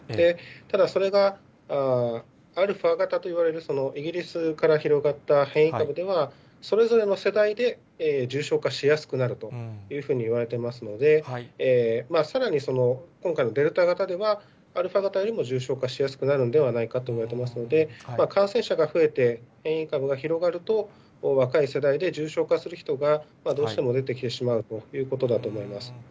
ただ、それがアルファ型といわれる、イギリスから広がった変異株では、それぞれの世代で重症化しやすくなるというふうにいわれてますので、さらに今回のデルタ型では、アルファ型よりも重症化しやすくなるんではないかといわれてますので、感染者が増えて、変異株が広がると、若い世代で重症化する人が、どうしても出てきてしまうということだと思います。